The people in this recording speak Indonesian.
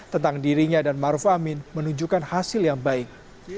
tentang dirinya dan maruf amin menunjukkan hasil yang baik